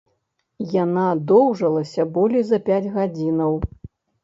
Яна доўжылася болей за пяць гадзінаў.